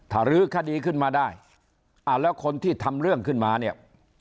ถ้ารื้อคดีขึ้นมาได้อ่าแล้วคนที่ทำเรื่องขึ้นมาเนี่ย